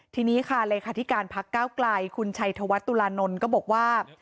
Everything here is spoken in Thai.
ทีนี้ค่ะเลขาธิการพักก้าวไกลคุณชัยธวัฒตุลานนท์ก็บอกว่า